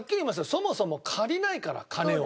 そもそも借りないから金を。